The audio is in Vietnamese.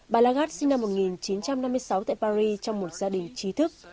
bà lagart sinh năm một nghìn chín trăm năm mươi sáu tại paris trong một gia đình trí thức